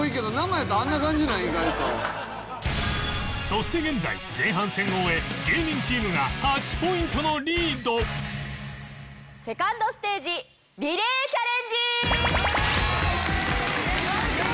そして現在前半戦を終え芸人チームが８ポイントのリード２ｎｄ ステージリレーチャレンジ！よいしょ！